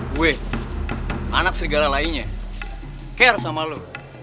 gue anak serigala lainnya care sama lo